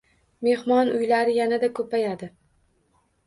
Mehmon uylari yanada ko‘payadi